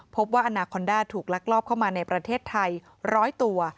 ว่าอนาคอนด้าถูกลักลอบเข้ามาในประเทศไทย๑๐๐ตัว